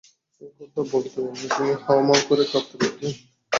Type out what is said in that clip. এই কথা বলতে-বলতে তিনি হাউমাউ করে কাঁদতে লাগলেন।